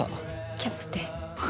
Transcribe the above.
キャプテン。